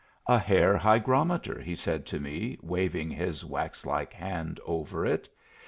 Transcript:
"A hair hygrometer," he said to me, waving his wax like hand over it.